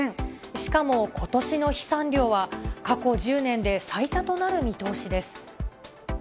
しかも、ことしの飛散量は、過去１０年で最多となる見通しです。